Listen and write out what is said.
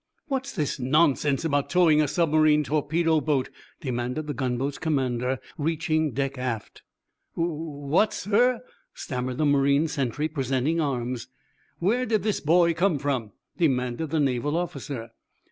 "What's this nonsense about towing a submarine torpedo boat?" demanded the gunboat's commander, reaching deck aft. "Wh what, sir!" stammered the marine sentry, presenting arms. "Where did this boy come from?" demanded the Naval officer.